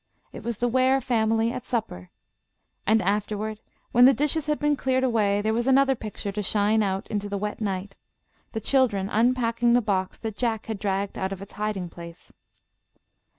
It was the Ware family at supper. And afterward, when the dishes had been cleared away, there was another picture to shine out into the wet night: the children unpacking the box that Jack had dragged out of its hiding place.